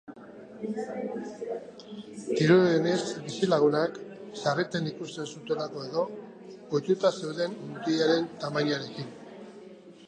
Dirudienez, bizilagunak, sarritan ikusten zutelako edo, ohituta zeuden mutilaren tamainarekin.